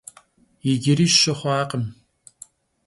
Yicıri şı xhuakhım.